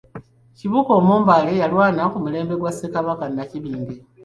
Kibuuka Omumbaale yalwaana ku mulembe gwa Ssekabaka Nnakibinge.